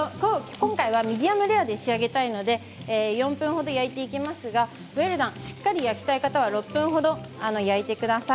今回はミディアムレアで仕上げたいので４分ほど焼いていきますがウエルダンしっかり焼きたい方は６分ほど焼いてください。